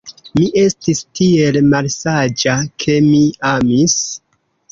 Mi estis tiel malsaĝa, ke mi amis.